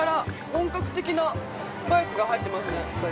本格的なスパイスが入ってますね。